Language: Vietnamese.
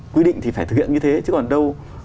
quy định thì phải thực hiện như thế chứ còn đâu